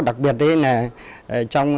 đặc biệt là trong